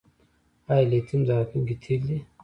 آیا لیتیم د راتلونکي تیل دي؟